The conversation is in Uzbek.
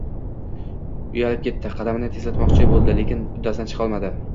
Uyalib ketdi, qadamini tezlatmoqchi boʻldi, lekin uddasidan chiqolmadi